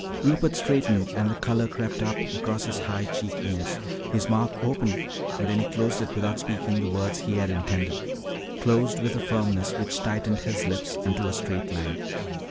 Rupert straightened and the color crept up across his high cheek bones. His mouth opened and then he closed it again without speaking the words he had intended, closed with a firmness which tightened his lips into a straight line.